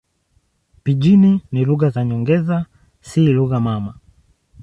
Pijini ni lugha za nyongeza, si lugha mama.